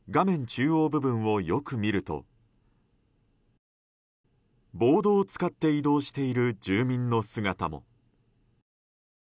中央部分をよく見るとボードを使って移動している住民の姿も。